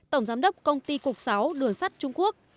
tổng giám đốc công ty cục sáu đường sắt trung quốc